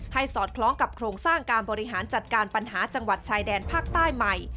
สอดคล้องกับโครงสร้างการบริหารจัดการปัญหาจังหวัดชายแดนภาคใต้ใหม่